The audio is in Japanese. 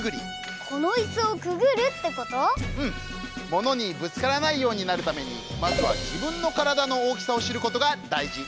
ものにぶつからないようになるためにまずは自分の体の大きさを知ることがだいじ！